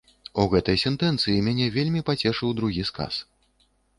У гэтай сэнтэнцыі мяне вельмі пацешыў другі сказ.